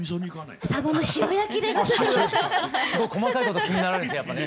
すごい細かいこと気になられてやっぱね。